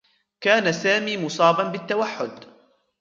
كان سامي مصابا بالتّوحّد.